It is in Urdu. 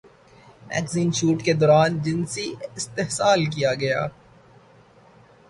میگزین شوٹ کے دوران جنسی استحصال کیا گیا